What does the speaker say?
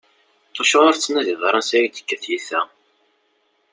Acuɣeṛ ur tettnadiḍ ara ansa i ak-d-tekka tyita?